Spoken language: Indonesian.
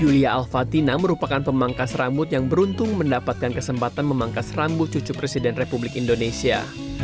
yulia alvatina merupakan pemangkas rambut yang beruntung mendapatkan kesempatan memangkas rambut cucu presiden republik indonesia